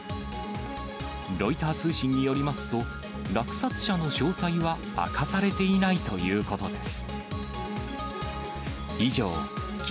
ロイター通信によりますと、落札者の詳細は明かされていないということです。